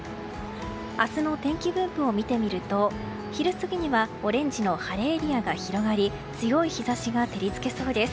明日の天気分布を見てみると昼過ぎにはオレンジの晴れエリアが広がり強い日差しが照り付けそうです。